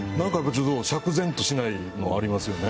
釈然としないのはありますよね。